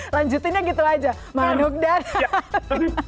lanjutinnya gitu aja manug dadali